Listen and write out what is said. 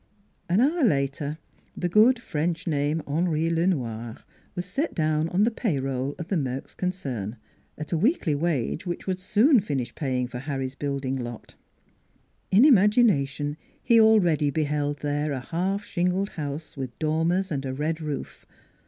An hour later the good French name Henri Le Noir was set down on the pay roll of the Merks concern, at a weekly wage which would soon finish paying for Harry's building lot. In imagination he already beheld there a half shingled house with dormers and a red roof.